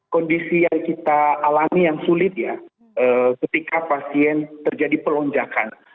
kondisi yang kita alami yang sulit ya ketika pasien terjadi pelonjakan